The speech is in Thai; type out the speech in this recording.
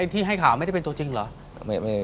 ที่ให้ข่าวไม่ได้เป็นตัวจริงเหรอ